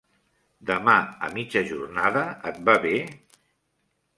Demà a mitja jornada, et va bé?